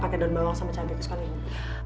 pakai daun bawang sama cabai keskon ini